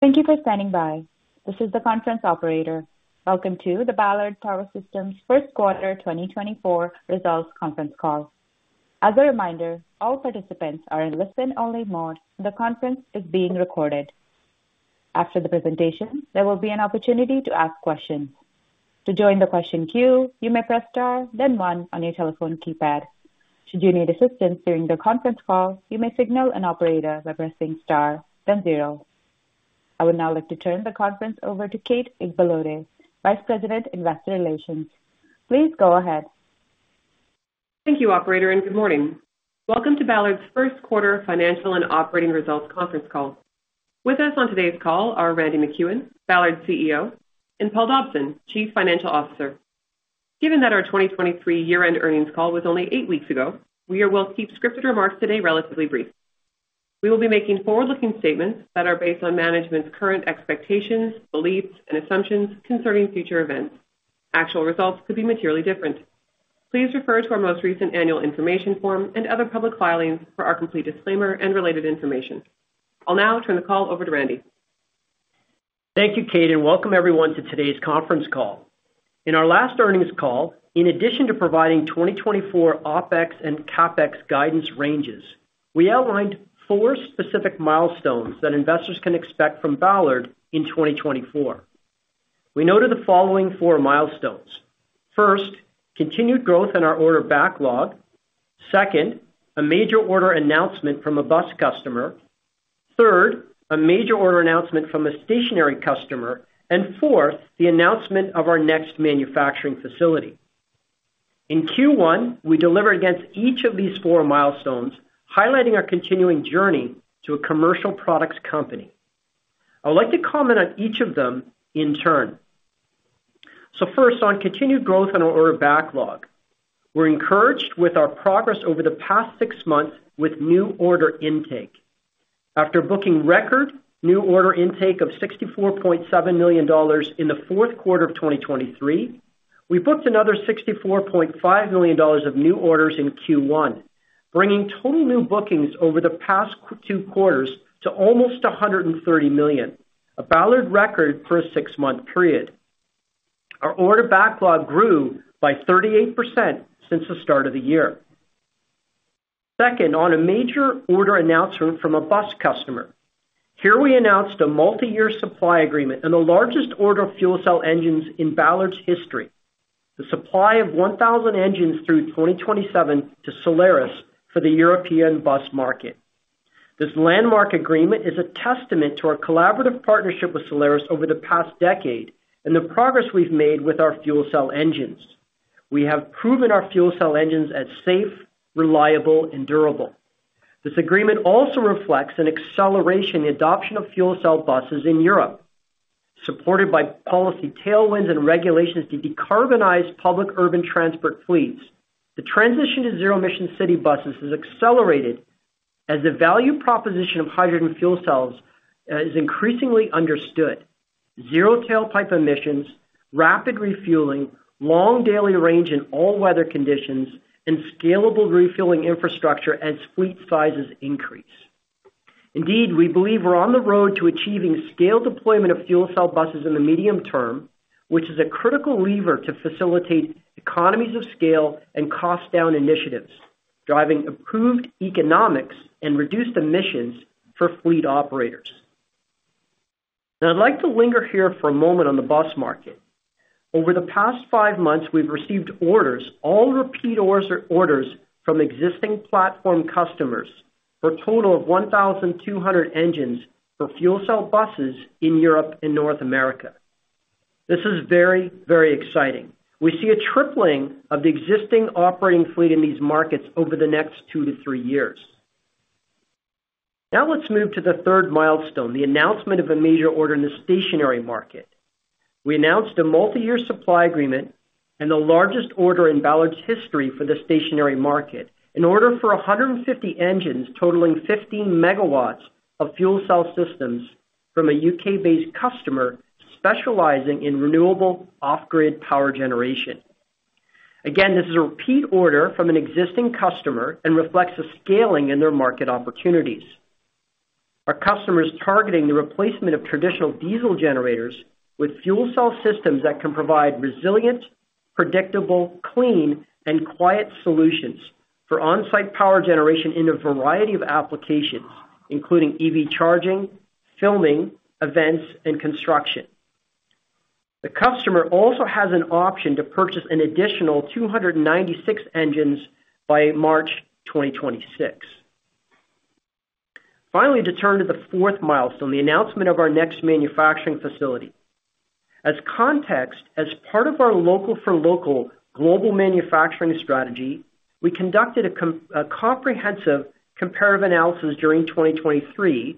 Thank you for standing by. This is the conference operator. Welcome to the Ballard Power Systems First Quarter 2024 Results Conference Call. As a reminder, all participants are in listen-only mode. The conference is being recorded. After the presentation, there will be an opportunity to ask questions. To join the question queue, you may press Star, then one on your telephone keypad. Should you need assistance during the conference call, you may signal an operator by pressing Star, then zero. I would now like to turn the conference over to Kate Igbalode, Vice President, Investor Relations. Please go ahead. Thank you, operator, and good morning. Welcome to Ballard's First Quarter Financial and Operating Results Conference Call. With us on today's call are Randy MacEwen, Ballard's CEO, and Paul Dobson, Chief Financial Officer. Given that our 2023 year-end earnings call was only eight weeks ago, we will keep scripted remarks today relatively brief. We will be making forward-looking statements that are based on management's current expectations, beliefs, and assumptions concerning future events. Actual results could be materially different. Please refer to our most recent annual information form and other public filings for our complete disclaimer and related information. I'll now turn the call over to Randy. Thank you, Kate, and welcome everyone to today's conference call. In our last earnings call, in addition to providing 2024 OpEx and CapEx guidance ranges, we outlined four specific milestones that investors can expect from Ballard in 2024. We noted the following four milestones: First, continued growth in our order backlog. Second, a major order announcement from a bus customer. Third, a major order announcement from a stationary customer. And fourth, the announcement of our next manufacturing facility. In Q1, we delivered against each of these four milestones, highlighting our continuing journey to a commercial products company. I would like to comment on each of them in turn. So first, on continued growth in our order backlog. We're encouraged with our progress over the past six months with new order intake. After booking record new order intake of $64.7 million in the fourth quarter of 2023, we booked another $64.5 million of new orders in Q1, bringing total new bookings over the past two quarters to almost $130 million, a Ballard record for a six-month period. Our order backlog grew by 38% since the start of the year. Second, on a major order announcement from a bus customer. Here we announced a multiyear supply agreement and the largest order of fuel cell engines in Ballard's history. The supply of 1,000 engines through 2027 to Solaris for the European bus market. This landmark agreement is a testament to our collaborative partnership with Solaris over the past decade and the progress we've made with our fuel cell engines. We have proven our fuel cell engines as safe, reliable, and durable. This agreement also reflects an acceleration in adoption of fuel cell buses in Europe, supported by policy tailwinds and regulations to decarbonize public urban transport fleets. The transition to zero-emission city buses has accelerated as the value proposition of hydrogen fuel cells is increasingly understood. Zero tailpipe emissions, rapid refueling, long daily range in all weather conditions, and scalable refilling infrastructure as fleet sizes increase. Indeed, we believe we're on the road to achieving scaled deployment of fuel cell buses in the medium term, which is a critical lever to facilitate economies of scale and cost down initiatives, driving improved economics and reduced emissions for fleet operators. Now, I'd like to linger here for a moment on the bus market. Over the past five months, we've received orders, all repeat orders, orders from existing platform customers for a total of 1,200 engines for fuel cell buses in Europe and North America. This is very, very exciting. We see a tripling of the existing operating fleet in these markets over the next 2 years-3 years. Now let's move to the third milestone, the announcement of a major order in the stationary market. We announced a multi-year supply agreement and the largest order in Ballard's history for the stationary market, an order for 150 engines totaling 50 MW of fuel cell systems from a UK-based customer specializing in renewable off-grid power generation. Again, this is a repeat order from an existing customer and reflects a scaling in their market opportunities. Our customer is targeting the replacement of traditional diesel generators with fuel cell systems that can provide resilient, predictable, clean, and quiet solutions for on-site power generation in a variety of applications, including EV charging, filming, events, and construction. The customer also has an option to purchase an additional 296 engines by March 2026. Finally, to turn to the fourth milestone, the announcement of our next manufacturing facility. As context, as part of our local-for-local global manufacturing strategy, we conducted a comprehensive comparative analysis during 2023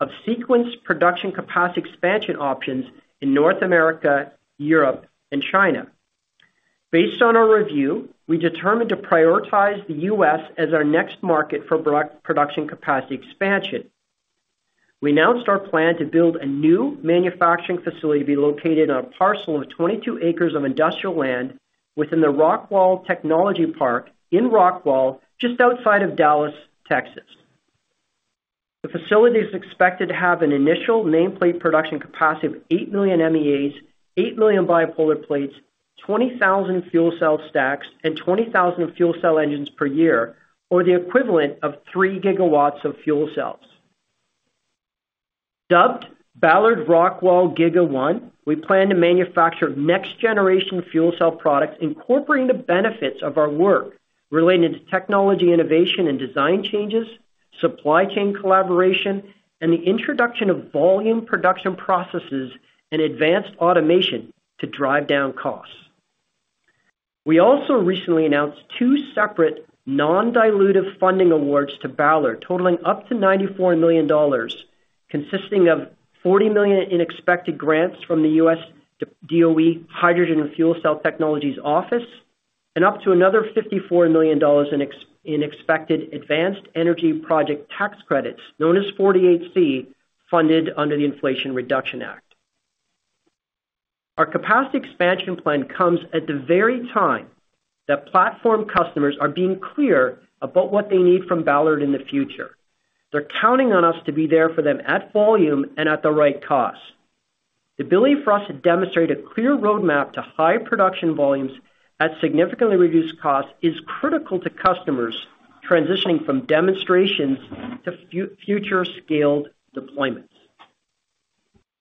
of sequenced production capacity expansion options in North America, Europe, and China. Based on our review, we determined to prioritize the US as our next market for production capacity expansion. We announced our plan to build a new manufacturing facility to be located on a parcel of 22 acres of industrial land within the Rockwall Technology Park in Rockwall, just outside of Dallas, Texas. The facility is expected to have an initial nameplate production capacity of 8 million MEAs, 8 million bipolar plates, 20,000 fuel cell stacks, and 20,000 fuel cell engines per year, or the equivalent of 3 GW of fuel cells. Dubbed Ballard Rockwall Giga 1, we plan to manufacture next-generation fuel cell products, incorporating the benefits of our work related to technology, innovation, and design changes, supply chain collaboration, and the introduction of volume production processes and advanced automation to drive down costs. We also recently announced two separate non-dilutive funding awards to Ballard, totaling up to $94 million, consisting of $40 million in expected grants from the U.S. DOE Hydrogen and Fuel Cell Technologies Office, and up to another $54 million in expected advanced energy project tax credits, known as 48C, funded under the Inflation Reduction Act. Our capacity expansion plan comes at the very time that platform customers are being clear about what they need from Ballard in the future. They're counting on us to be there for them at volume and at the right cost. The ability for us to demonstrate a clear roadmap to high production volumes at significantly reduced costs is critical to customers transitioning from demonstrations to future scaled deployments.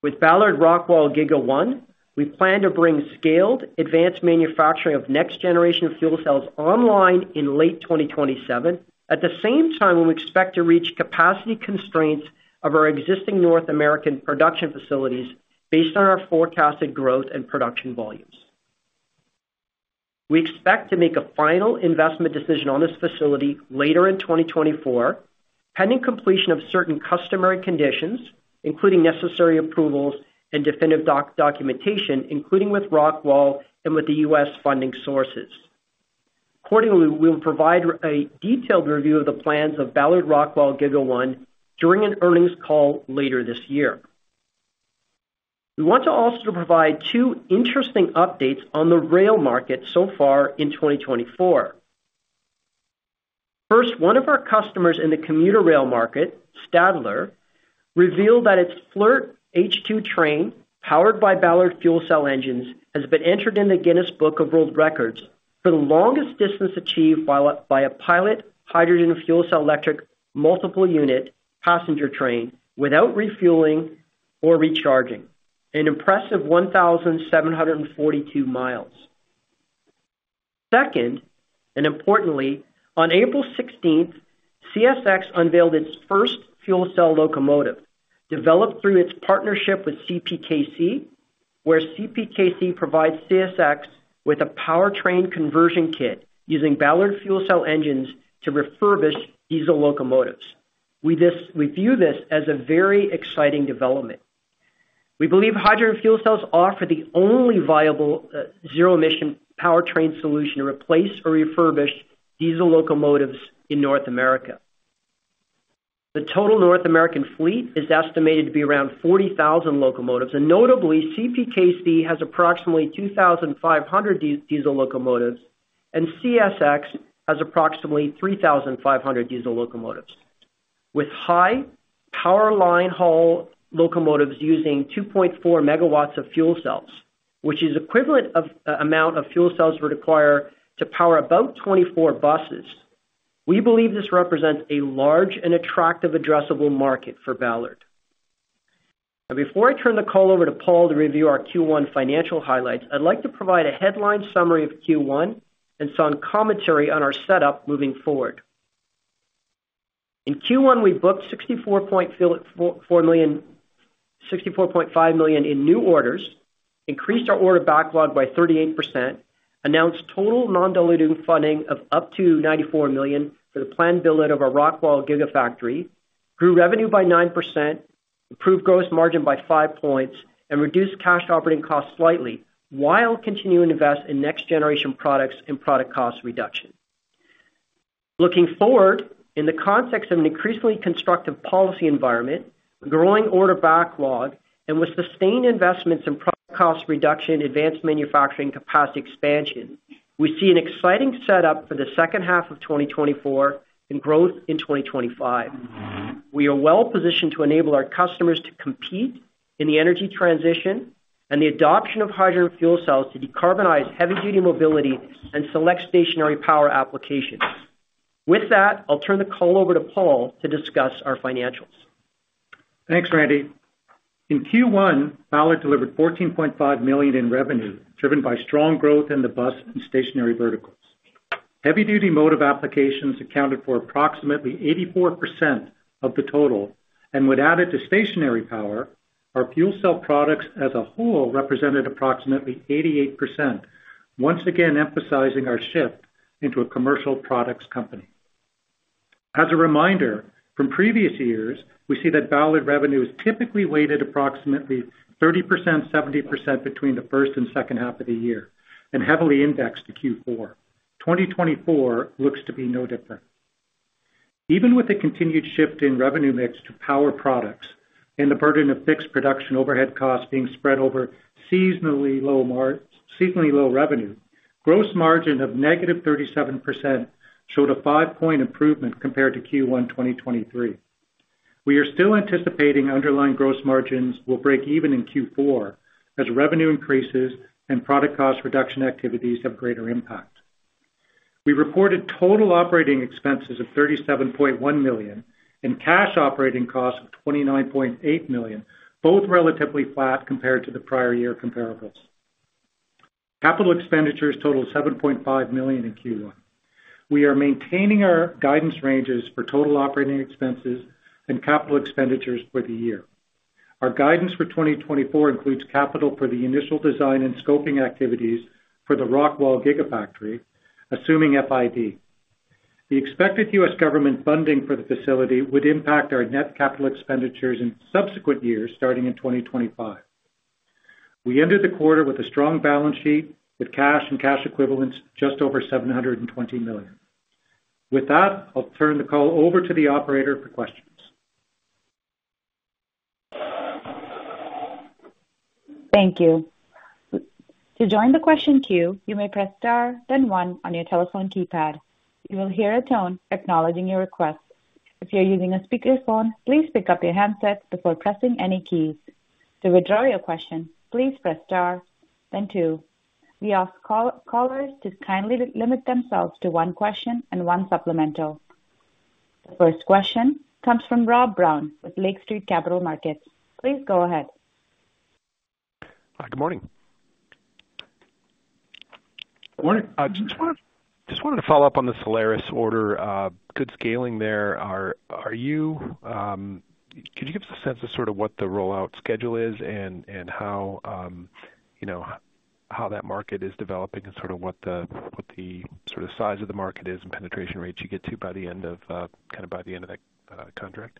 With Ballard Rockwall Giga 1, we plan to bring scaled advanced manufacturing of next generation fuel cells online in late 2027. At the same time, when we expect to reach capacity constraints of our existing North American production facilities based on our forecasted growth and production volumes. We expect to make a final investment decision on this facility later in 2024, pending completion of certain customary conditions, including necessary approvals and definitive documentation, including with Rockwall and with the US funding sources. Accordingly, we'll provide a detailed review of the plans of Ballard Rockwall Giga 1 during an earnings call later this year. We want to also provide two interesting updates on the rail market so far in 2024. First, one of our customers in the commuter rail market, Stadler, revealed that its FLIRT H2 train, powered by Ballard fuel cell engines, has been entered in the Guinness World Records for the longest distance achieved by a pilot hydrogen fuel cell, electric multiple unit passenger train without refueling or recharging, an impressive 1,742 miles. Second, and importantly, on April 16th, CSX unveiled its first fuel cell locomotive, developed through its partnership with CPKC, where CPKC provides CSX with a powertrain conversion kit using Ballard fuel cell engines to refurbish diesel locomotives. We view this as a very exciting development. We believe hydrogen fuel cells offer the only viable zero emission powertrain solution to replace or refurbish diesel locomotives in North America. The total North American fleet is estimated to be around 40,000 locomotives, and notably, CPKC has approximately 2,500 diesel locomotives, and CSX has approximately 3,500 diesel locomotives. With high power line haul locomotives using 2.4 MW of fuel cells, which is equivalent of amount of fuel cells would require to power about 24 buses, we believe this represents a large and attractive addressable market for Ballard. Now, before I turn the call over to Paul to review our Q1 financial highlights, I'd like to provide a headline summary of Q1 and some commentary on our setup moving forward. In Q1, we booked $64.5 million in new orders, increased our order backlog by 38%, announced total non-dilutive funding of up to $94 million for the planned build out of our Rockwall Gigafactory, grew revenue by 9%, improved gross margin by 5 points, and reduced cash operating costs slightly, while continuing to invest in next generation products and product cost reduction. Looking forward, in the context of an increasingly constructive policy environment, a growing order backlog, and with sustained investments in product cost reduction, advanced manufacturing capacity expansion, we see an exciting setup for the second half of 2024 and growth in 2025. We are well positioned to enable our customers to compete in the energy transition and the adoption of hydrogen fuel cells to decarbonize heavy-duty mobility and select stationary power applications. With that, I'll turn the call over to Paul to discuss our financials. Thanks, Randy. In Q1, Ballard delivered $14.5 million in revenue, driven by strong growth in the bus and stationary verticals. Heavy-duty motive applications accounted for approximately 84% of the total, and when added to stationary power, our fuel cell products as a whole represented approximately 88%, once again emphasizing our shift into a commercial products company. As a reminder, from previous years, we see that Ballard revenue is typically weighted approximately 30%, 70% between the first and second half of the year, and heavily indexed to Q4. 2024 looks to be no different. Even with the continued shift in revenue mix to power products and the burden of fixed production overhead costs being spread over seasonally low revenue, gross margin of -37% showed a 5-point improvement compared to Q1 2023. We are still anticipating underlying gross margins will break even in Q4 as revenue increases and product cost reduction activities have greater impact. We reported total operating expenses of $37.1 million and cash operating costs of $29.8 million, both relatively flat compared to the prior year comparables. Capital expenditures totaled $7.5 million in Q1. We are maintaining our guidance ranges for total operating expenses and capital expenditures for the year. Our guidance for 2024 includes capital for the initial design and scoping activities for the Rockwall Gigafactory, assuming FID. The expected U.S. government funding for the facility would impact our net capital expenditures in subsequent years, starting in 2025. We ended the quarter with a strong balance sheet, with cash and cash equivalents just over $720 million. With that, I'll turn the call over to the operator for questions. Thank you. To join the question queue, you may press Star, then one on your telephone keypad. You will hear a tone acknowledging your request. If you're using a speakerphone, please pick up your handset before pressing any keys. To withdraw your question, please press Star, then two. We ask callers to kindly limit themselves to one question and one supplemental. The first question comes from Rob Brown with Lake Street Capital Markets. Please go ahead. Hi, good morning. I just wanted to follow up on the Solaris order, good scaling there. Could you give us a sense of sort of what the rollout schedule is and how, you know, how that market is developing and sort of what the sort of size of the market is, and penetration rates you get to by the end of kind of by the end of that contract?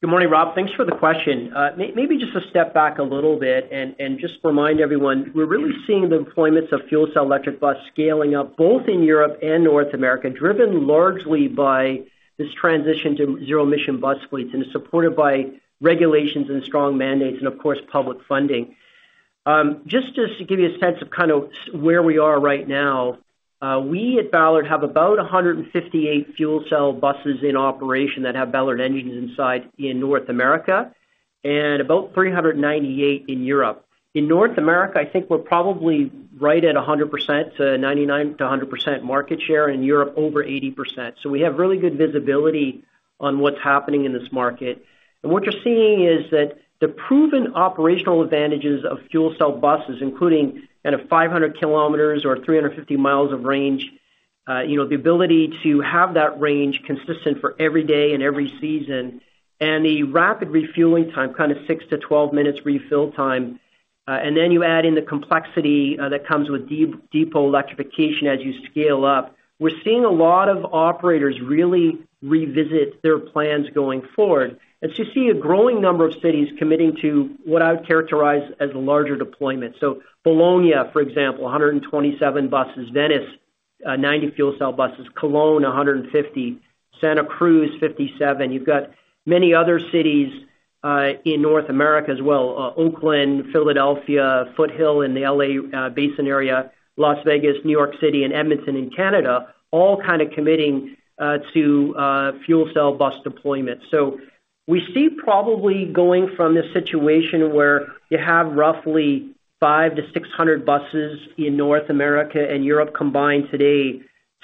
Good morning, Rob. Thanks for the question. Maybe just to step back a little bit and just remind everyone, we're really seeing the deployments of fuel cell electric bus scaling up, both in Europe and North America, driven largely by this transition to zero emission bus fleets, and it's supported by regulations and strong mandates, and of course, public funding. Just to give you a sense of kind of where we are right now, we at Ballard have about 158 fuel cell buses in operation that have Ballard engines inside in North America, and about 398 in Europe. In North America, I think we're probably right at 100%, 99%-100% market share, in Europe, over 80%. So we have really good visibility on what's happening in this market. And what you're seeing is that the proven operational advantages of fuel cell buses, including at a 500 km or 350 mi of range, you know, the ability to have that range consistent for every day and every season, and the rapid refueling time, kind of 6-12 minutes refill time, and then you add in the complexity that comes with depot electrification as you scale up, we're seeing a lot of operators really revisit their plans going forward. And to see a growing number of cities committing to what I would characterize as a larger deployment. So Bologna, for example, 127 buses, Venice, 90 fuel cell buses, Cologne, 150, Santa Cruz, 57. You've got many other cities in North America as well, Oakland, Philadelphia, Foothill in the L.A. Basin area, Las Vegas, New York City, and Edmonton in Canada, all kind of committing to fuel cell bus deployment. So we see probably going from this situation where you have roughly 500-600 buses in North America and Europe combined today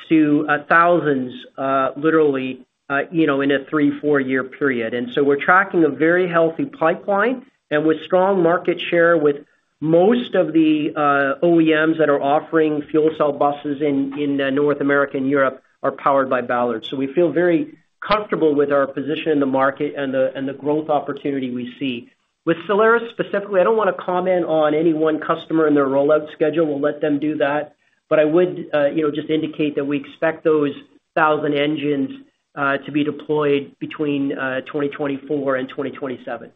to thousands, literally, you know, in a 3-4-year period. And so we're tracking a very healthy pipeline and with strong market share, with most of the OEMs that are offering fuel cell buses in North America and Europe, are powered by Ballard. So we feel very comfortable with our position in the market and the, and the growth opportunity we see. With Solaris specifically, I don't want to comment on any one customer and their rollout schedule. We'll let them do that, but I would, you know, just indicate that we expect those 1,000 engines to be deployed between 2024 and 2027.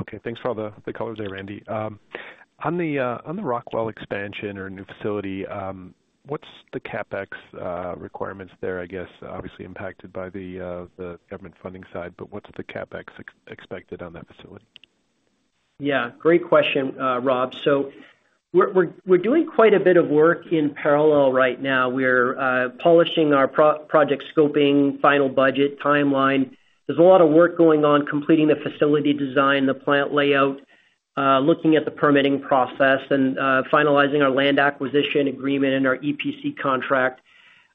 Okay, thanks for all the colors there, Randy. On the Rockwall expansion or new facility, what's the CapEx requirements there? I guess, obviously impacted by the government funding side, but what's the CapEx expected on that facility? Yeah, great question, Rob. So we're doing quite a bit of work in parallel right now. We're polishing our project scoping, final budget, timeline. There's a lot of work going on, completing the facility design, the plant layout, looking at the permitting process and finalizing our land acquisition agreement and our EPC contract.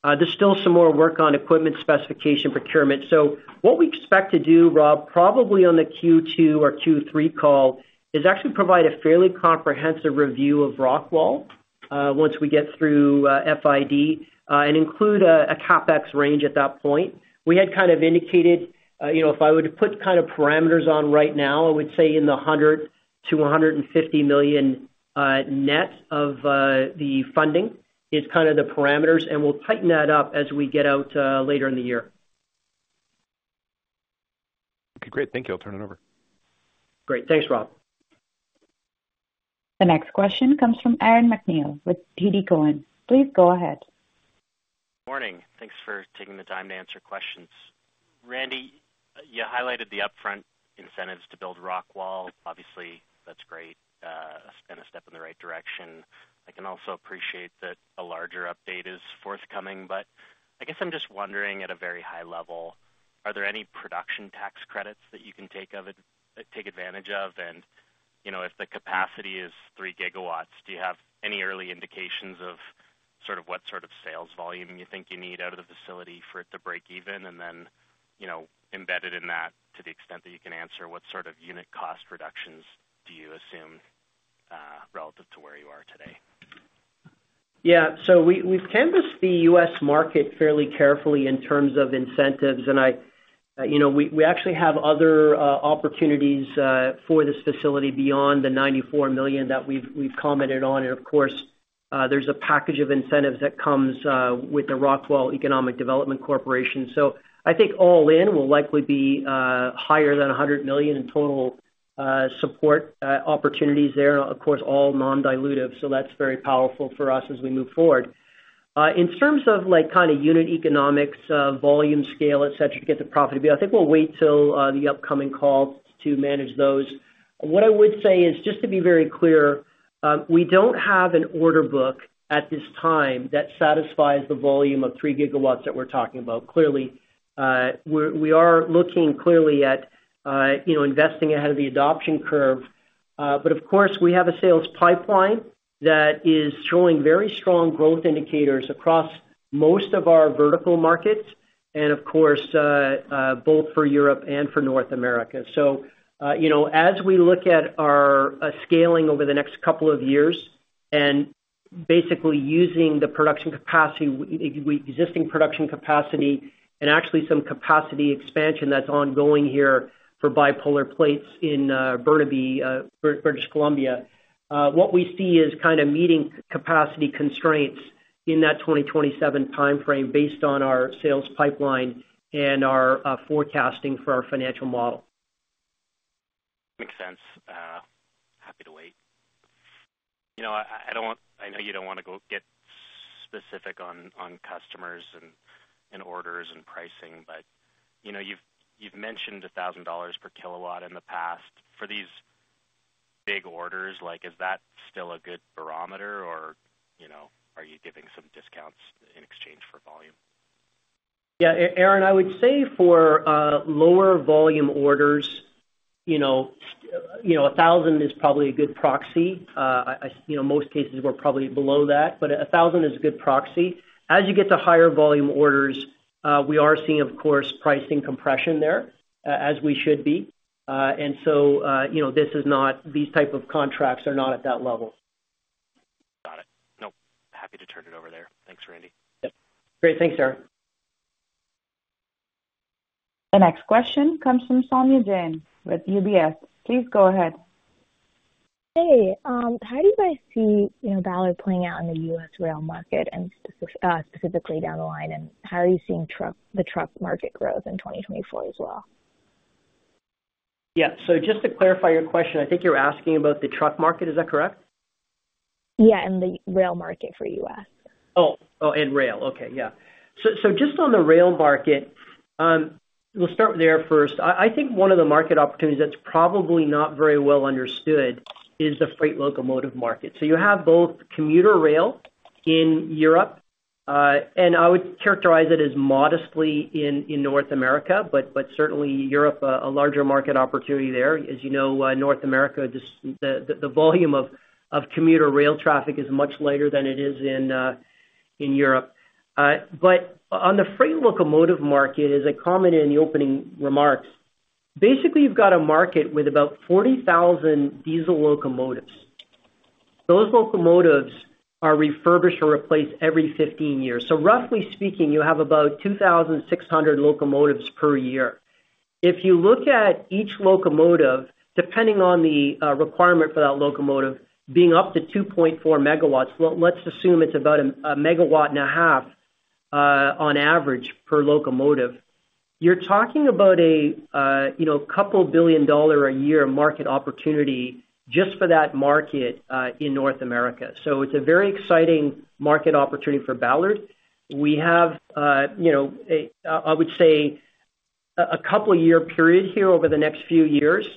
There's still some more work on equipment specification procurement. So what we expect to do, Rob, probably on the Q2 or Q3 call, is actually provide a fairly comprehensive review of Rockwall, once we get through FID, and include a CapEx range at that point. We had kind of indicated, you know, if I were to put kind of parameters on right now, I would say $100 million-$150 million, net of the funding is kind of the parameters, and we'll tighten that up as we get out later in the year. Great. Thank you. I'll turn it over. Great. Thanks, Rob. The next question comes from Aaron MacNeil with TD Cowen. Please go ahead. Morning. Thanks for taking the time to answer questions. Randy, you highlighted the upfront incentives to build Rockwall. Obviously, that's great, and a step in the right direction. I can also appreciate that a larger update is forthcoming, but I guess I'm just wondering, at a very high level, are there any production tax credits that you can take advantage of? And, you know, if the capacity is 3 gigawatts, do you have any early indications of sort of what sort of sales volume you think you need out of the facility for it to break even? And then, you know, embedded in that, to the extent that you can answer, what sort of unit cost reductions do you assume, relative to where you are today? Yeah. So we, we've canvassed the US market fairly carefully in terms of incentives, and I, you know, we actually have other opportunities for this facility beyond the $94 million that we've commented on. And of course, there's a package of incentives that comes with the Rockwall Economic Development Corporation. So I think all in will likely be higher than $100 million in total support opportunities there. Of course, all non-dilutive, so that's very powerful for us as we move forward. In terms of, like, kind of unit economics, volume, scale, et cetera, to get the profit to be, I think we'll wait till the upcoming call to manage those. What I would say is, just to be very clear, we don't have an order book at this time that satisfies the volume of 3 GW that we're talking about. Clearly, we are looking clearly at, you know, investing ahead of the adoption curve. But of course, we have a sales pipeline that is showing very strong growth indicators across most of our vertical markets and of course, both for Europe and for North America. So, you know, as we look at our scaling over the next couple of years and basically using the production capacity, existing production capacity and actually some capacity expansion that's ongoing here for bipolar plates in Burnaby, British Columbia, what we see is kinda meeting capacity constraints in that 2027 timeframe based on our sales pipeline and our forecasting for our financial model. Makes sense. Happy to wait. You know, I don't want—I know you don't wanna go get specific on customers and orders and pricing, but, you know, you've mentioned $1,000 per kW in the past. For these big orders, like, is that still a good barometer, or, you know, are you giving some discounts in exchange for volume? Yeah, Aaron, I would say for lower volume orders, you know, you know, 1,000 is probably a good proxy. I you know, most cases we're probably below that, but 1,000 is a good proxy. As you get to higher volume orders, we are seeing, of course, pricing compression there, as we should be. And so, you know, this is not—these type of contracts are not at that level. Got it. Nope. Happy to turn it over there. Thanks, Randy. Yep. Great. Thanks, Aaron. The next question comes from Saumya Jain with UBS. Please go ahead. Hey, how do you guys see, you know, Ballard playing out in the U.S. rail market and specifically down the line? And how are you seeing the truck market growth in 2024 as well? Yeah. So just to clarify your question, I think you're asking about the truck market, is that correct? Yeah, and the rail market for U.S. Oh, oh, and rail. Okay. Yeah. So, so just on the rail market, we'll start there first. I think one of the market opportunities that's probably not very well understood is the freight locomotive market. So you have both commuter rail in Europe, and I would characterize it as modestly in North America, but certainly Europe, a larger market opportunity there. As you know, North America, just the volume of commuter rail traffic is much lighter than it is in Europe. But on the freight locomotive market, as I commented in the opening remarks, basically, you've got a market with about 40,000 diesel locomotives. Those locomotives are refurbished or replaced every 15 years. So roughly speaking, you have about 2,600 locomotives per year. If you look at each locomotive, depending on the requirement for that locomotive, being up to 2.4 MW, well, let's assume it's about 1.5 MW on average, per locomotive. You're talking about a couple billion-dollar-a-year market opportunity just for that market in North America. So it's a very exciting market opportunity for Ballard. We have a couple year period here over the next few years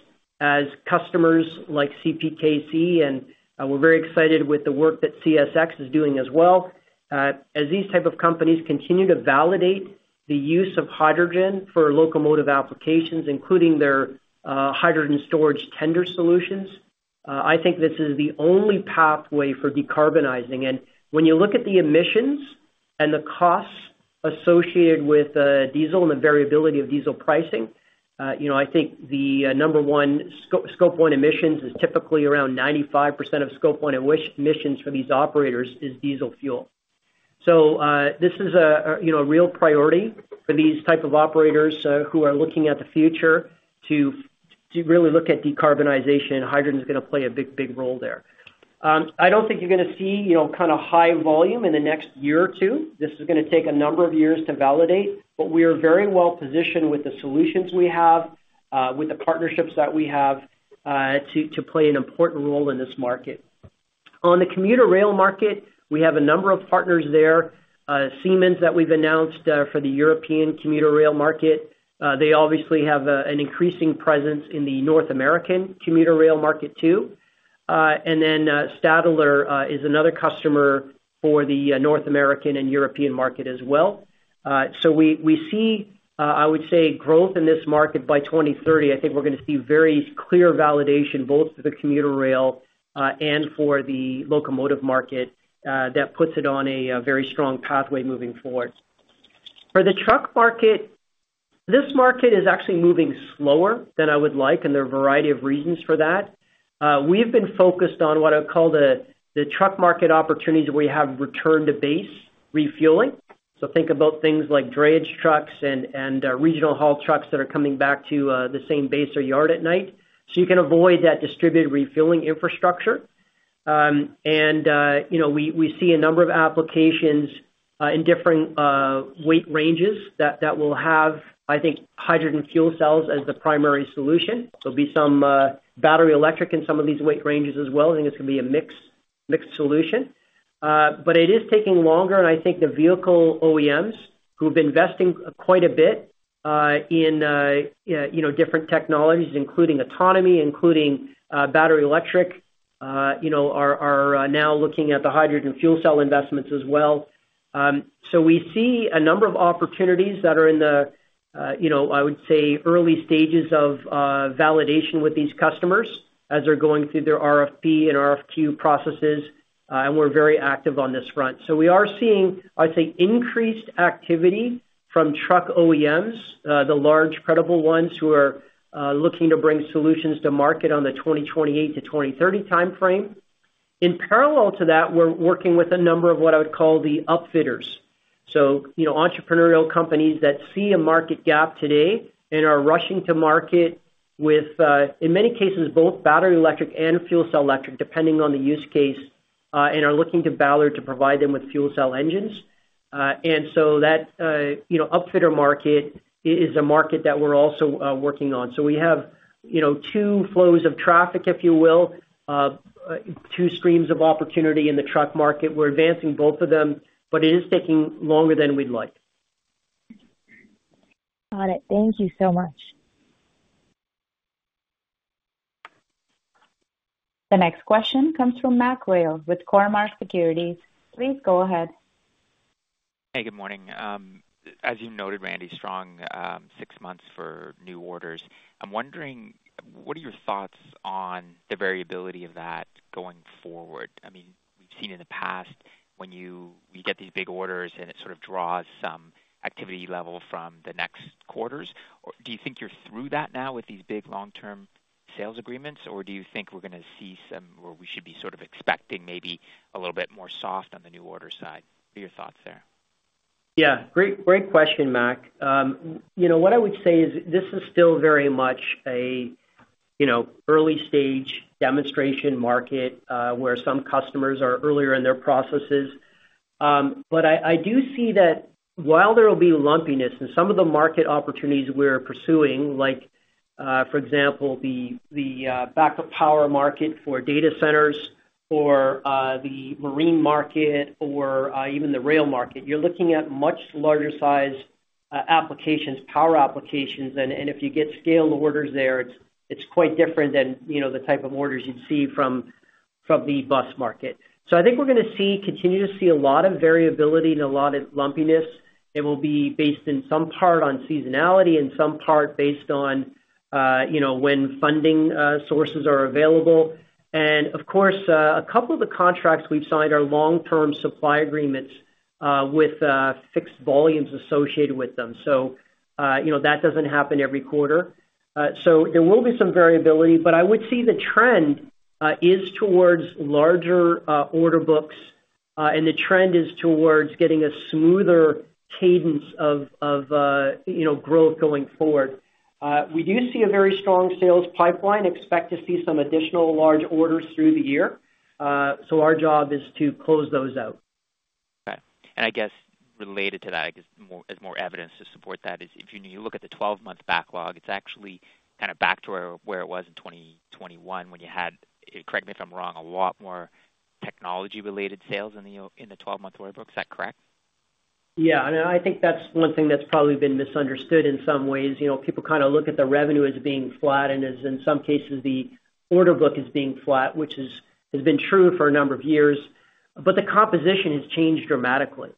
as customers like CPKC, and we're very excited with the work that CSX is doing as well. As these type of companies continue to validate the use of hydrogen for locomotive applications, including their hydrogen storage tender solutions, I think this is the only pathway for decarbonizing. And when you look at the emissions and the costs associated with diesel and the variability of diesel pricing, you know, I think the number one, Scope 1 emissions, is typically around 95% of Scope 1 emissions for these operators is diesel fuel. So, this is a you know, a real priority for these type of operators, who are looking at the future to really look at decarbonization, hydrogen is gonna play a big, big role there. I don't think you're gonna see, you know, kind of high volume in the next year or two. This is gonna take a number of years to validate, but we are very well positioned with the solutions we have, with the partnerships that we have, to play an important role in this market. On the commuter rail market, we have a number of partners there, Siemens, that we've announced, for the European commuter rail market. They obviously have an increasing presence in the North American commuter rail market, too. And then, Stadler, is another customer for the North American and European market as well. So we, we see, I would say, growth in this market by 2030. I think we're gonna see very clear validation, both for the commuter rail, and for the locomotive market, that puts it on a very strong pathway moving forward. For the truck market, this market is actually moving slower than I would like, and there are a variety of reasons for that. We have been focused on what I'd call the, the truck market opportunities where you have return to base refueling. So think about things like drayage trucks and regional haul trucks that are coming back to the same base or yard at night, so you can avoid that distributed refueling infrastructure. You know, we see a number of applications in different weight ranges that will have, I think, hydrogen fuel cells as the primary solution. There'll be some battery electric in some of these weight ranges as well, and I think it's gonna be a mixed solution. But it is taking longer, and I think the vehicle OEMs who've been investing quite a bit in you know different technologies, including autonomy, including battery electric, you know are now looking at the hydrogen fuel cell investments as well. So we see a number of opportunities that are in the, you know, I would say, early stages of validation with these customers as they're going through their RFP and RFQ processes, and we're very active on this front. So we are seeing, I'd say, increased activity from truck OEMs, the large credible ones who are looking to bring solutions to market on the 2028 to 2030 timeframe. In parallel to that, we're working with a number of what I would call the upfitters, so, you know, entrepreneurial companies that see a market gap today and are rushing to market with, in many cases, both battery electric and fuel cell electric, depending on the use case, and are looking to Ballard to provide them with fuel cell engines. And so that, you know, upfitter market is a market that we're also working on. So we have, you know, two flows of traffic, if you will, two streams of opportunity in the truck market. We're advancing both of them, but it is taking longer than we'd like. Got it. Thank you so much. The next question comes from MacMurray Whale with Cormark Securities. Please go ahead. Hey, good morning. As you noted, Randy, strong six months for new orders. I'm wondering, what are your thoughts on the variability of that going forward? I mean, we've seen in the past, when you get these big orders, and it sort of draws some activity level from the next quarters. Or do you think you're through that now with these big long-term sales agreements? Or do you think we're gonna see some, or we should be sort of expecting maybe a little bit more soft on the new order side? What are your thoughts there? Yeah. Great, great question, Mac. You know, what I would say is, this is still very much a, you know, early stage demonstration market, where some customers are earlier in their processes. But I, I do see that while there will be lumpiness in some of the market opportunities we're pursuing, like, for example, the backup power market for data centers or the marine market or even the rail market, you're looking at much larger size applications, power applications, and if you get scale orders there, it's quite different than, you know, the type of orders you'd see from the bus market. So I think we're gonna see, continue to see a lot of variability and a lot of lumpiness. It will be based in some part on seasonality and some part based on, you know, when funding sources are available. And of course, a couple of the contracts we've signed are long-term supply agreements with fixed volumes associated with them. So, you know, that doesn't happen every quarter. So there will be some variability, but I would see the trend is towards larger order books, and the trend is towards getting a smoother cadence of, you know, growth going forward. We do see a very strong sales pipeline, expect to see some additional large orders through the year. So our job is to close those out. Okay. And I guess related to that, I guess, more as more evidence to support that is, if you look at the twelve-month backlog, it's actually kind of back to where it was in 2021 when you had, correct me if I'm wrong, a lot more technology-related sales in the twelve-month order book. Is that correct? Yeah, and I think that's one thing that's probably been misunderstood in some ways. You know, people kind of look at the revenue as being flat, and as in some cases, the order book as being flat, which has been true for a number of years, but the composition has changed dramatically.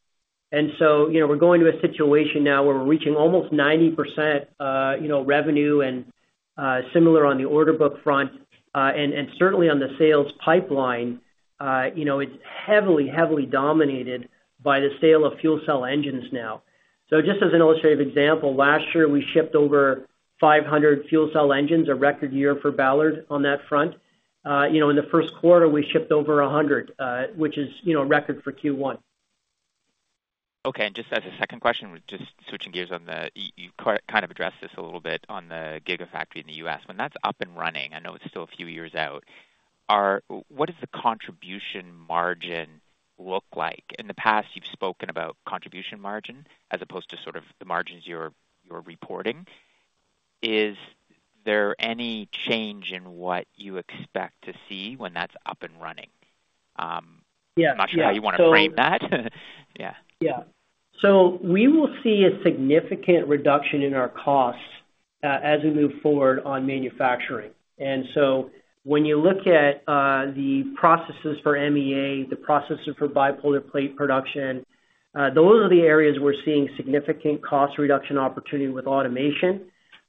And so, you know, we're going to a situation now where we're reaching almost 90%, you know, revenue and similar on the order book front, and certainly on the sales pipeline, you know, it's heavily, heavily dominated by the sale of fuel cell engines now. So just as an illustrative example, last year, we shipped over 500 fuel cell engines, a record year for Ballard on that front. You know, in the first quarter, we shipped over 100, which is, you know, a record for Q1. Okay, and just as a second question, just switching gears on the, you kind of addressed this a little bit on the gigafactory in the U.S. When that's up and running, I know it's still a few years out, what does the contribution margin look like? In the past, you've spoken about contribution margin as opposed to sort of the margins you're reporting. Is there any change in what you expect to see when that's up and running? Yeah. I'm not sure how you want to frame that. Yeah. Yeah. So we will see a significant reduction in our costs as we move forward on manufacturing. And so when you look at the processes for MEA, the processes for bipolar plate production, those are the areas we're seeing significant cost reduction opportunity with automation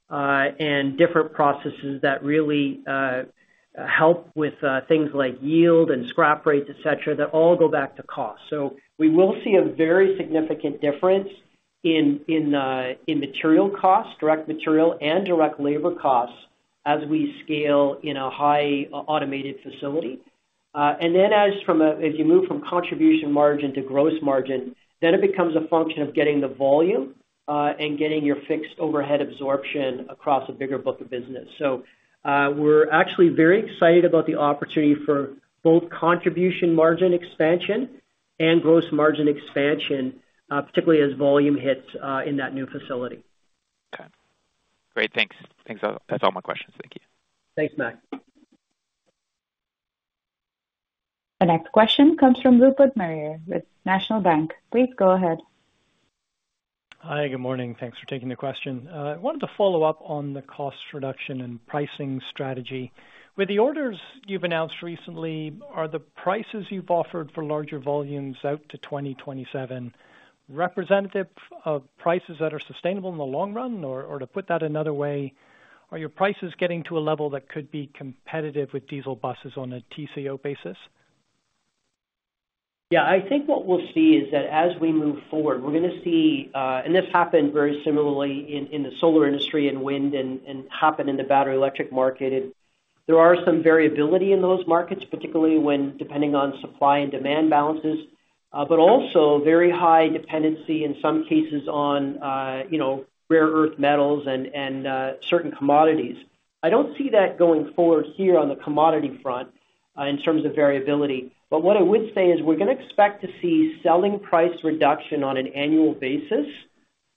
and different processes that really help with things like yield and scrap rates, et cetera, that all go back to cost. So we will see a very significant difference in material costs, direct material and direct labor costs, as we scale in a high automated facility. And then as you move from contribution margin to gross margin, then it becomes a function of getting the volume and getting your fixed overhead absorption across a bigger book of business. We're actually very excited about the opportunity for both contribution margin expansion and gross margin expansion, particularly as volume hits in that new facility. Okay. Great, thanks. Thanks, that's all my questions. Thank you. Thanks, Mac. The next question comes from Rupert Merer with National Bank. Please go ahead. Hi, good morning. Thanks for taking the question. I wanted to follow up on the cost reduction and pricing strategy. With the orders you've announced recently, are the prices you've offered for larger volumes out to 2027 representative of prices that are sustainable in the long run? Or, or to put that another way, are your prices getting to a level that could be competitive with diesel buses on a TCO basis? Yeah, I think what we'll see is that as we move forward, we're gonna see, and this happened very similarly in the solar industry and wind and happened in the battery electric market. There are some variability in those markets, particularly when depending on supply and demand balances, but also very high dependency in some cases on, you know, rare earth metals and certain commodities. I don't see that going forward here on the commodity front in terms of variability. But what I would say is we're gonna expect to see selling price reduction on an annual basis,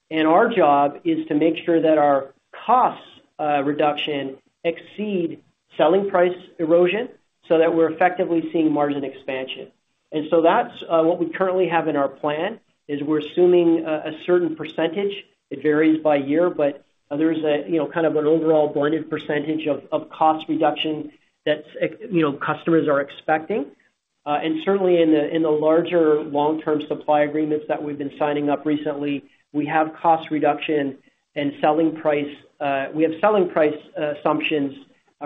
and our job is to make sure that our costs reduction exceed selling price erosion, so that we're effectively seeing margin expansion. And so that's what we currently have in our plan, is we're assuming a certain percentage. It varies by year, but there is a, you know, kind of an overall blended percentage of, of cost reduction that's expected, you know, customers are expecting. And certainly in the larger long-term supply agreements that we've been signing up recently, we have cost reduction and selling price, we have selling price assumptions,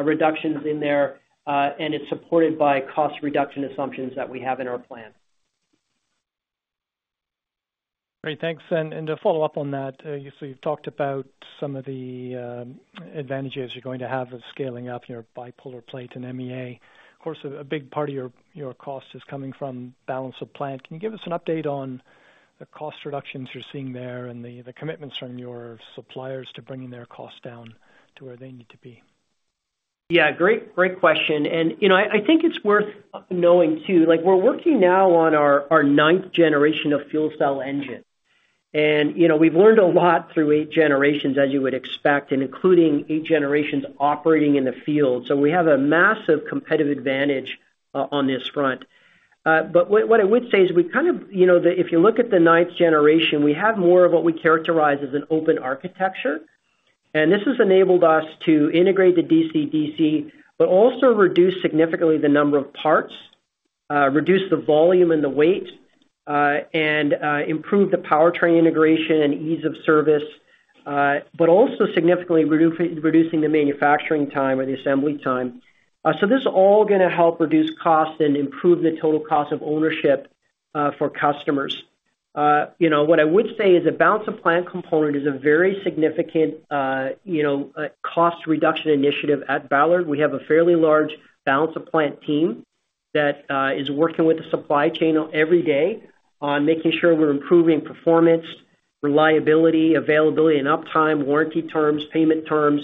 reductions in there, and it's supported by cost reduction assumptions that we have in our plan. Great, thanks. And to follow up on that, so you've talked about some of the advantages you're going to have of scaling up your bipolar plate and MEA. Of course, a big part of your cost is coming from balance of plant. Can you give us an update on the cost reductions you're seeing there and the commitments from your suppliers to bringing their costs down to where they need to be? Yeah, great, great question. And, you know, I think it's worth knowing, too, like, we're working now on our ninth generation of fuel cell engine. And, you know, we've learned a lot through eight generations, as you would expect, and including eight generations operating in the field. So we have a massive competitive advantage on this front. But what I would say is we kind of, you know, the... If you look at the ninth generation, we have more of what we characterize as an open architecture, and this has enabled us to integrate the DC-DC, but also reduce significantly the number of parts, reduce the volume and the weight, and improve the powertrain integration and ease of service, but also significantly reducing the manufacturing time or the assembly time. So this is all gonna help reduce costs and improve the total cost of ownership for customers. You know, what I would say is the balance of plant component is a very significant, you know, cost reduction initiative at Ballard. We have a fairly large balance of plant team that is working with the supply chain every day on making sure we're improving performance, reliability, availability and uptime, warranty terms, payment terms,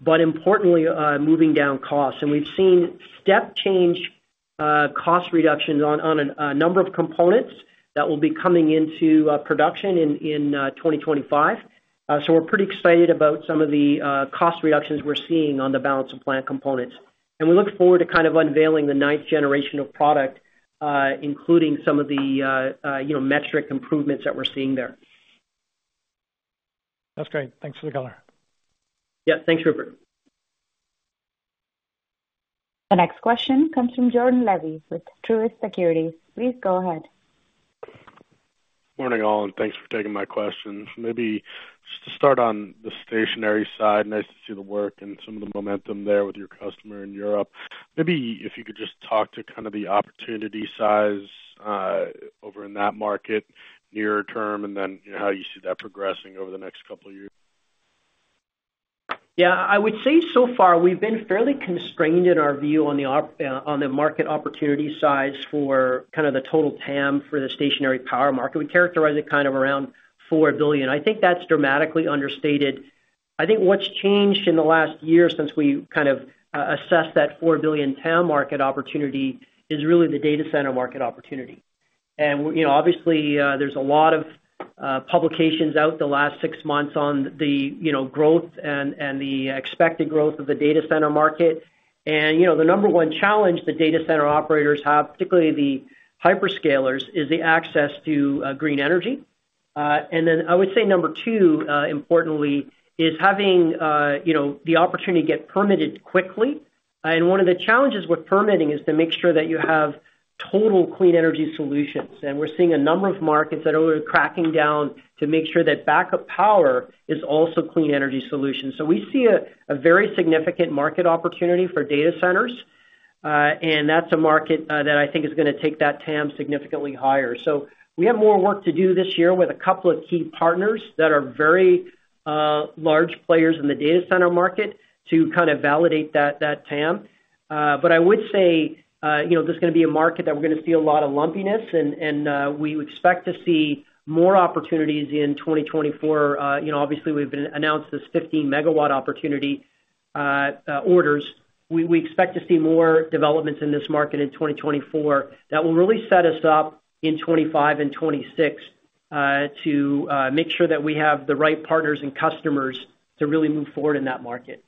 but importantly, moving down costs. And we've seen step change cost reductions on a number of components that will be coming into production in 2025. So we're pretty excited about some of the cost reductions we're seeing on the balance of plant components. We look forward to kind of unveiling the ninth generation of product, including some of the, you know, metric improvements that we're seeing there. That's great. Thanks for the color. Yeah. Thanks, Rupert. The next question comes from Jordan Levy with Truist Securities. Please go ahead. Morning, all, and thanks for taking my questions. Maybe just to start on the stationary side, nice to see the work and some of the momentum there with your customer in Europe. Maybe if you could just talk to kind of the opportunity size over in that market near term, and then, you know, how you see that progressing over the next couple of years? Yeah, I would say so far, we've been fairly constrained in our view on the market opportunity size for kind of the total TAM for the stationary power market. We characterize it kind of around $4 billion. I think that's dramatically understated. I think what's changed in the last year since we kind of assessed that $4 billion TAM market opportunity is really the data center market opportunity. And, you know, obviously, there's a lot of publications out the last six months on the, you know, growth and the expected growth of the data center market. And, you know, the number one challenge the data center operators have, particularly the hyperscalers, is the access to green energy. And then I would say number two, importantly, is having, you know, the opportunity to get permitted quickly. One of the challenges with permitting is to make sure that you have total clean energy solutions. We're seeing a number of markets that are cracking down to make sure that backup power is also clean energy solutions. So we see a very significant market opportunity for data centers, and that's a market that I think is gonna take that TAM significantly higher. So we have more work to do this year with a couple of key partners that are very large players in the data center market to kind of validate that TAM. But I would say, you know, there's gonna be a market that we're gonna see a lot of lumpiness, and we expect to see more opportunities in 2024. You know, obviously, we've announced this 15-megawatt opportunity, orders. We expect to see more developments in this market in 2024 that will really set us up in 2025 and 2026 to make sure that we have the right partners and customers to really move forward in that market.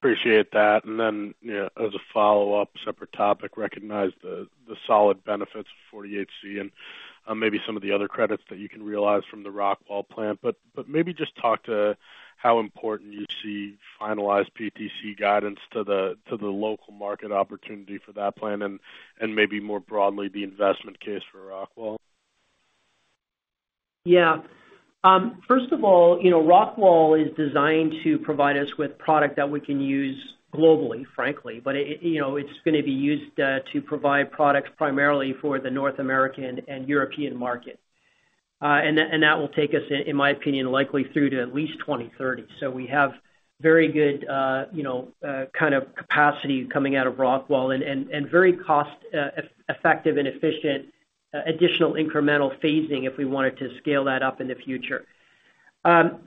Appreciate that. And then, you know, as a follow-up, separate topic, recognize the solid benefits of 48C and maybe some of the other credits that you can realize from the Rockwall plant. But maybe just talk to how important you see finalized PTC guidance to the local market opportunity for that plant and maybe more broadly, the investment case for Rockwall. Yeah. First of all, you know, Rockwall is designed to provide us with product that we can use globally, frankly, but it, you know, it's gonna be used to provide products primarily for the North American and European market. And that will take us, in my opinion, likely through to at least 2030. So we have very good, you know, kind of capacity coming out of Rockwall and very cost effective and efficient additional incremental phasing if we wanted to scale that up in the future.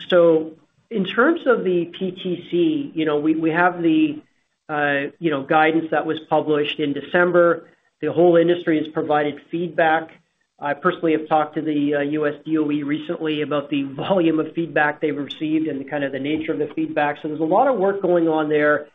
So in terms of the PTC, you know, we have the guidance that was published in December. The whole industry has provided feedback. I personally have talked to the U.S. DOE recently about the volume of feedback they've received and kind of the nature of the feedback. So there's a lot of work going on there,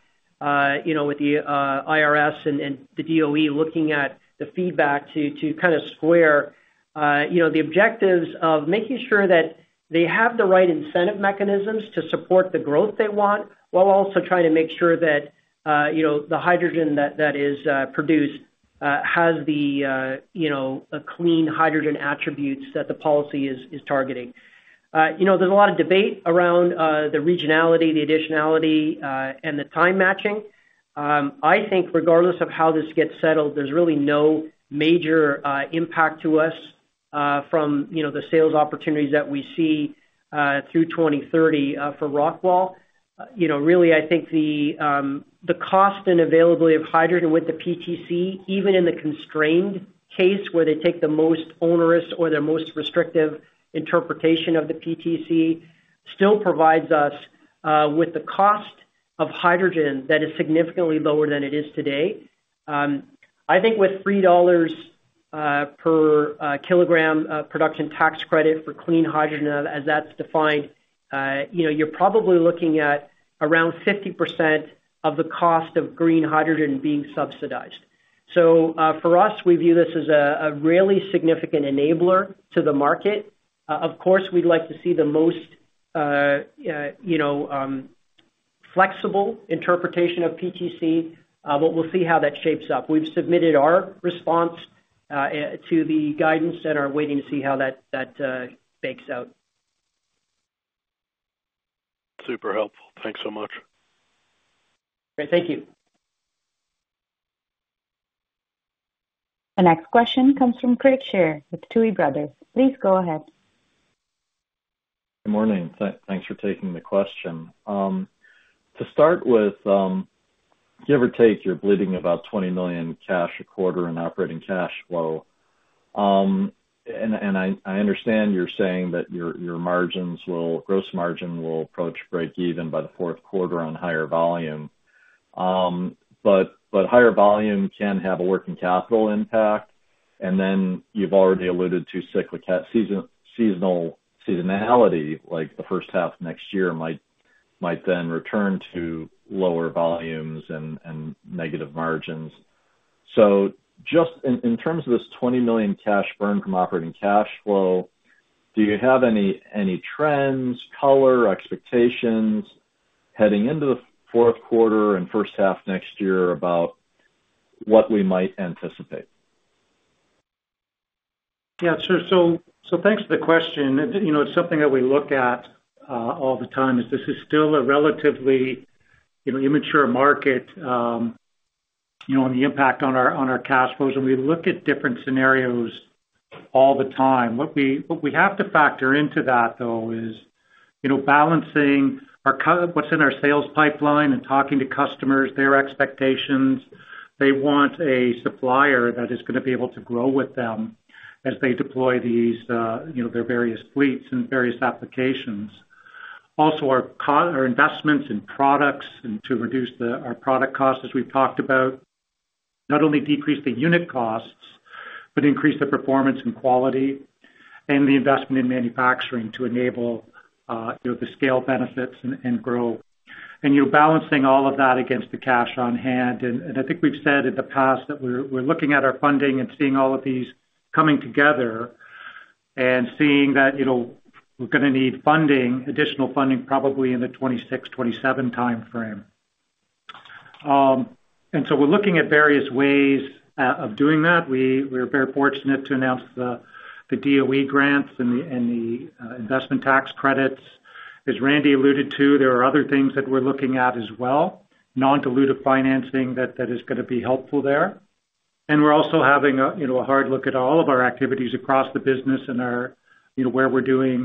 you know, with the IRS and the DOE looking at the feedback to kind of square, you know, the objectives of making sure that they have the right incentive mechanisms to support the growth they want, while also trying to make sure that, you know, the hydrogen that is produced has the, you know, a clean hydrogen attributes that the policy is targeting. You know, there's a lot of debate around the regionality, the additionality, and the time matching. I think regardless of how this gets settled, there's really no major impact to us from, you know, the sales opportunities that we see through 2030 for Rockwall. You know, really, I think the cost and availability of hydrogen with the PTC, even in the constrained case, where they take the most onerous or the most restrictive interpretation of the PTC, still provides us with the cost of hydrogen that is significantly lower than it is today. I think with $3 per kilogram of production tax credit for clean hydrogen, as that's defined, you know, you're probably looking at around 50% of the cost of green hydrogen being subsidized. So, for us, we view this as a really significant enabler to the market. Of course, we'd like to see the most, you know, flexible interpretation of PTC, but we'll see how that shapes up. We've submitted our response to the guidance and are waiting to see how that bakes out. Super helpful. Thanks so much. Great. Thank you. The next question comes from Craig Shere with Tuohy Brothers. Please go ahead. Good morning. Thanks for taking the question. To start with, give or take, you're bleeding about $20 million cash a quarter in operating cash flow. And I understand you're saying that your margins will, gross margin will approach break even by the fourth quarter on higher volume. But higher volume can have a working capital impact, and then you've already alluded to cyclical seasonality, like the first half next year might then return to lower volumes and negative margins. So just in terms of this $20 million cash burn from operating cash flow, do you have any trends, color, expectations, heading into the fourth quarter and first half next year about what we might anticipate? Yeah, sure. So thanks for the question. You know, it's something that we look at all the time, is this still a relatively, you know, immature market, you know, on the impact on our cash flows, and we look at different scenarios all the time. What we have to factor into that, though, is, you know, balancing what's in our sales pipeline and talking to customers, their expectations. They want a supplier that is gonna be able to grow with them as they deploy these, you know, their various fleets and various applications. Also, our investments in products and to reduce the our product costs, as we've talked about, not only decrease the unit costs, but increase the performance and quality and the investment in manufacturing to enable, you know, the scale benefits and grow. You know, balancing all of that against the cash on hand, and I think we've said in the past that we're looking at our funding and seeing all of these coming together and seeing that, you know, we're gonna need funding, additional funding, probably in the 2026, 2027 timeframe. And so we're looking at various ways of doing that. We're very fortunate to announce the DOE grants and the investment tax credits. As Randy alluded to, there are other things that we're looking at as well, non-dilutive financing, that is gonna be helpful there. We're also having a hard look at all of our activities across the business and our, you know, where we're doing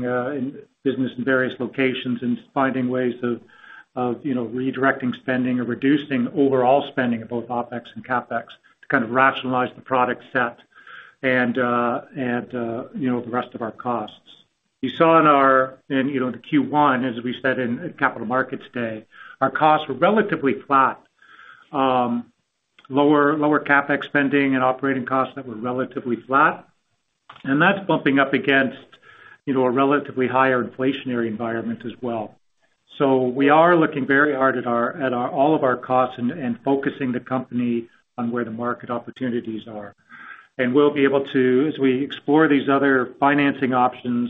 business in various locations and finding ways of, you know, redirecting spending or reducing overall spending of both OpEx and CapEx to kind of rationalize the product set and, you know, the rest of our costs. You saw in our Q1, you know, as we said in Capital Markets Day, our costs were relatively flat. Lower CapEx spending and operating costs that were relatively flat, and that's bumping up against, you know, a relatively higher inflationary environment as well. We are looking very hard at all of our costs and focusing the company on where the market opportunities are. We'll be able to, as we explore these other financing options,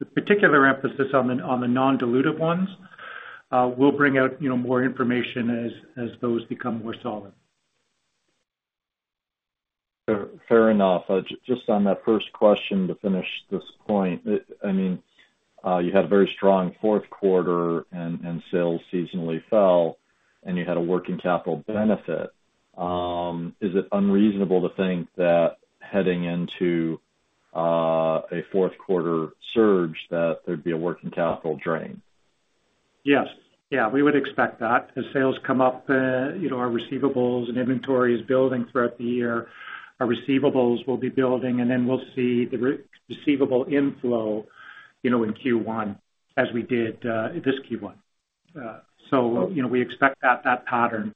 with particular emphasis on the non-dilutive ones, we'll bring out, you know, more information as those become more solid. Fair, fair enough. Just on that first question, to finish this point, I mean, you had a very strong fourth quarter and sales seasonally fell, and you had a working capital benefit. Is it unreasonable to think that heading into a fourth quarter surge, that there'd be a working capital drain? Yes. Yeah, we would expect that. As sales come up, you know, our receivables and inventory is building throughout the year. Our receivables will be building, and then we'll see the receivable inflow, you know, in Q1, as we did, this Q1. So, you know, we expect that, that pattern,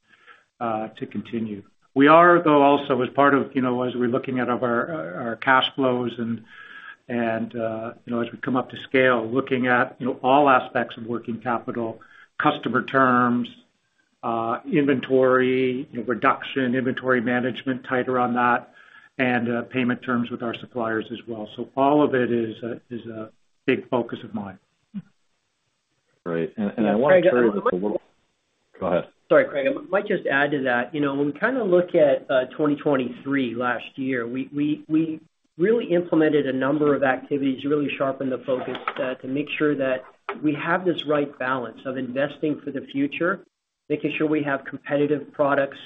to continue. We are, though, also, as part of, you know, as we're looking at our, our cash flows and, and, you know, as we come up to scale, looking at, you know, all aspects of working capital, customer terms, inventory, you know, reduction, inventory management, tighter on that, and, payment terms with our suppliers as well. So all of it is a, is a big focus of mine. Right. And I want to turn just a little- Craig, I- Go ahead. Sorry, Craig, I might just add to that. You know, when we kind of look at 2023, last year, we really implemented a number of activities to really sharpen the focus, to make sure that we have this right balance of investing for the future, making sure we have competitive products,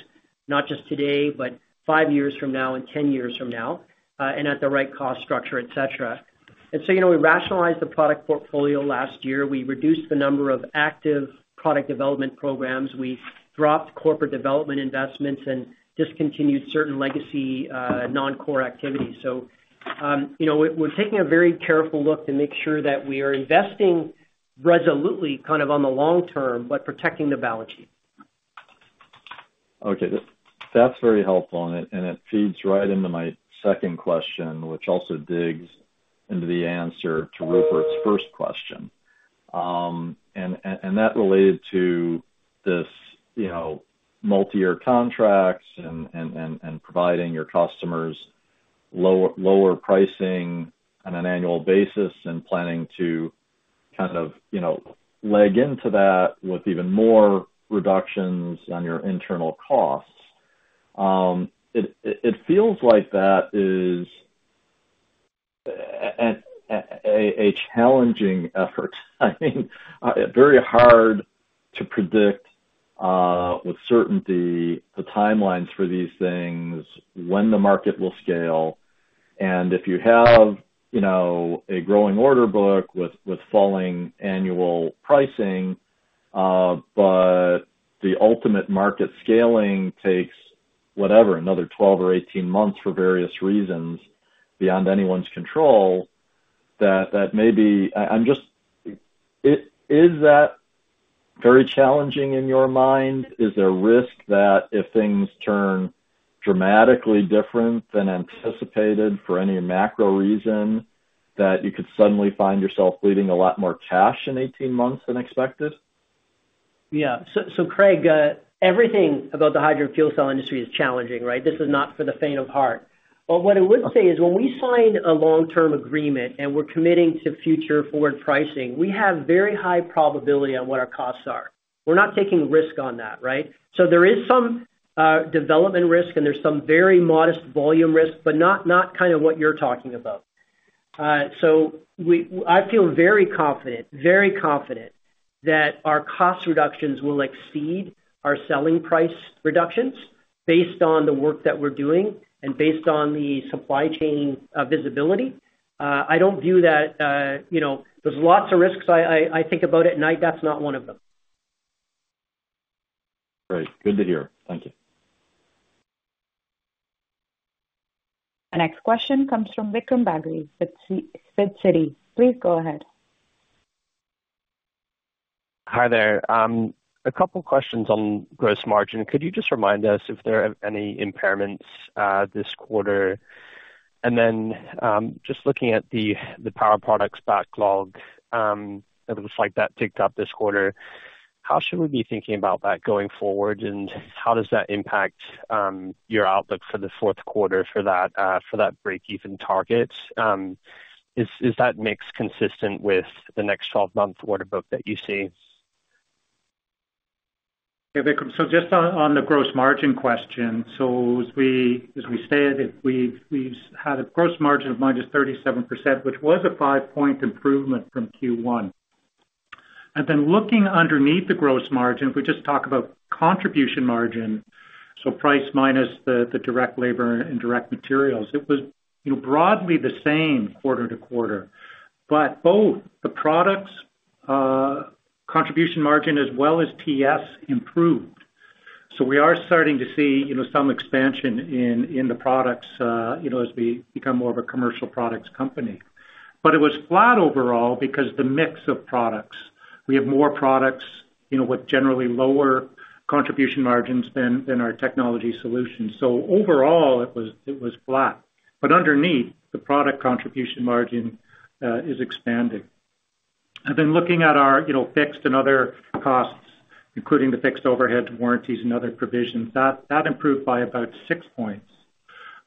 not just today, but five years from now and 10 years from now, and at the right cost structure, et cetera. And so, you know, we rationalized the product portfolio last year. We reduced the number of active product development programs. We dropped corporate development investments and discontinued certain legacy, non-core activities. So, you know, we're taking a very careful look to make sure that we are investing resolutely, kind of on the long term, but protecting the balance sheet. Okay, that's very helpful, and it feeds right into my second question, which also digs into the answer to Rupert's first question. And that related to this, you know, multiyear contracts and providing your customers lower pricing on an annual basis, and planning to kind of, you know, leg into that with even more reductions on your internal costs. It feels like that is a challenging effort. I mean, very hard to predict with certainty the timelines for these things, when the market will scale, and if you have, you know, a growing order book with falling annual pricing, but the ultimate market scaling takes whatever, another 12 or 18 months for various reasons beyond anyone's control, that may be, Is that very challenging in your mind? Is there a risk that if things turn dramatically different than anticipated for any macro reason, that you could suddenly find yourself needing a lot more cash in 18 months than expected? Yeah. So, so Craig, everything about the hydrogen fuel cell industry is challenging, right? This is not for the faint of heart. But what I would say is, when we sign a long-term agreement, and we're committing to future forward pricing, we have very high probability on what our costs are. We're not taking risk on that, right? So there is some, development risk, and there's some very modest volume risk, but not, not kind of what you're talking about. So we, I feel very confident, very confident that our cost reductions will exceed our selling price reductions based on the work that we're doing and based on the supply chain, visibility. I don't view that, you know, there's lots of risks I, I, I think about at night, that's not one of them. Great. Good to hear. Thank you. Our next question comes from Vikram Bagri with Citi. Please go ahead. Hi there. A couple questions on gross margin. Could you just remind us if there are any impairments, this quarter? And then, just looking at the power products backlog, it looks like that ticked up this quarter. How should we be thinking about that going forward, and how does that impact, your outlook for the fourth quarter for that, for that breakeven target? Is that mix consistent with the next 12-month order book that you see? Yeah, Vikram, so just on the gross margin question. So as we stated, we've had a gross margin of minus 37%, which was a 5-point improvement from Q1. And then looking underneath the gross margin, if we just talk about contribution margin, so price minus the direct labor and direct materials, it was, you know, broadly the same quarter to quarter. But both the products contribution margin as well as TS improved. So we are starting to see, you know, some expansion in the products, you know, as we become more of a commercial products company. But it was flat overall because the mix of products. We have more products, you know, with generally lower contribution margins than our technology solutions. So overall, it was flat, but underneath, the product contribution margin is expanding. Then looking at our, you know, fixed and other costs, including the fixed overhead, warranties, and other provisions, that improved by about 6 points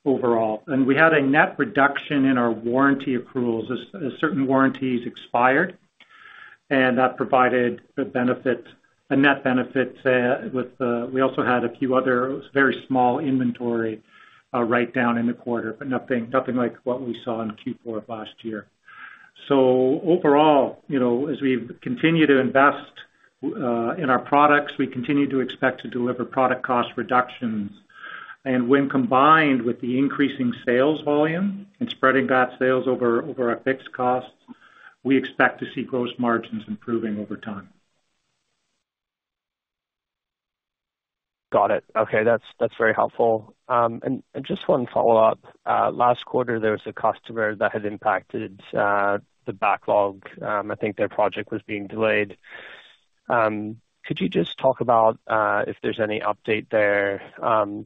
overall. We had a net reduction in our warranty approvals as certain warranties expired, and that provided the benefit, a net benefit, with. We also had a few other very small inventory write-down in the quarter, but nothing like what we saw in Q4 of last year. Overall, you know, as we continue to invest in our products, we continue to expect to deliver product cost reductions. When combined with the increasing sales volume and spreading that sales over our fixed costs, we expect to see gross margins improving over time. Got it. Okay, that's, that's very helpful. And just one follow-up. Last quarter, there was a customer that had impacted the backlog. I think their project was being delayed. Could you just talk about if there's any update there?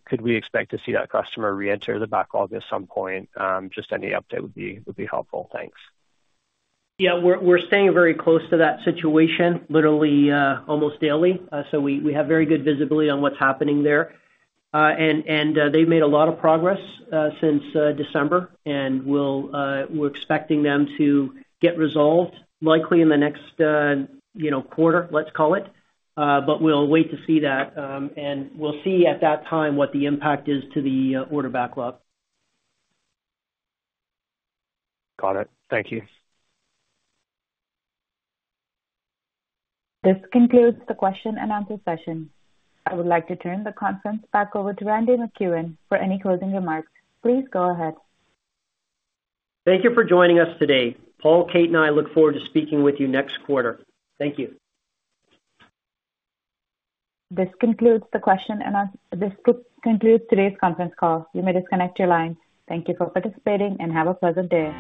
Could we expect to see that customer reenter the backlog at some point? Just any update would be, would be helpful. Thanks. Yeah, we're, we're staying very close to that situation, literally, almost daily. So we, we have very good visibility on what's happening there. And, and, they've made a lot of progress, since December, and we'll, we're expecting them to get resolved likely in the next, you know, quarter, let's call it. But we'll wait to see that, and we'll see at that time what the impact is to the, order backlog. Got it. Thank you. This concludes the question and answer session. I would like to turn the conference back over to Randy MacEwen for any closing remarks. Please go ahead. Thank you for joining us today. Paul, Kate, and I look forward to speaking with you next quarter. Thank you. This concludes today's conference call. You may disconnect your line. Thank you for participating, and have a pleasant day.